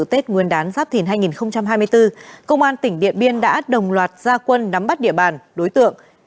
tết nguyên đán giáp thìn hai nghìn hai mươi bốn công an tỉnh điện biên đã đồng loạt gia quân nắm bắt địa bàn đối tượng